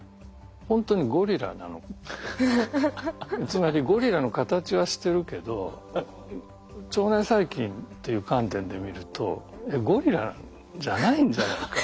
つまりゴリラの形はしてるけど腸内細菌っていう観点で見るとえっゴリラじゃないんじゃないか。